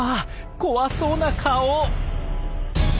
怖そうな顔。